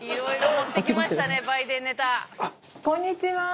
こんにちは。